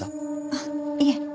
あっいえ。